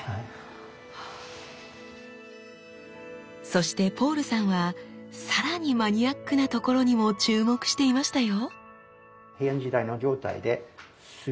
そしてポールさんはさらにマニアックなところにも注目していましたよ！